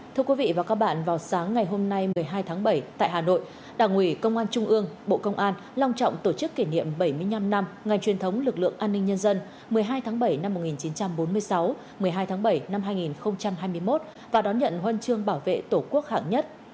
thưa quý vị và các bạn vào sáng ngày hôm nay một mươi hai tháng bảy tại hà nội đảng ủy công an trung ương bộ công an long trọng tổ chức kỷ niệm bảy mươi năm năm ngày truyền thống lực lượng an ninh nhân dân một mươi hai tháng bảy năm một nghìn chín trăm bốn mươi sáu một mươi hai tháng bảy năm hai nghìn hai mươi một và đón nhận huân chương bảo vệ tổ quốc hạng nhất